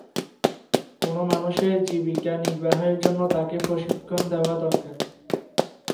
কোন মানুষের জীবিকা নির্বাহের জন্য তাকে প্রশিক্ষণ দেওয়া দরকার।